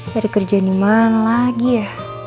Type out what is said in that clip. dari kerjaan iman lagi ya